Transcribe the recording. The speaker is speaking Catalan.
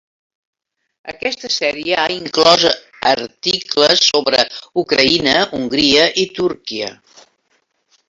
Aquesta sèrie ha inclòs articles sobre Ucraïna, Hongria i Turquia.